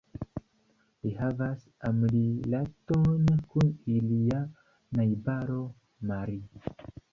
Li havas amrilaton kun ilia najbaro Marie.